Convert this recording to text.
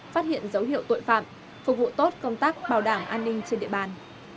phát hiện dấu hiệu tội phạm phục vụ tốt công tác bảo đảm an ninh trên địa bàn